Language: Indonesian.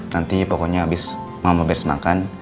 nanti pokoknya abis mama beres makan